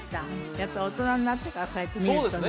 やっぱ大人になってからこうやって見るとね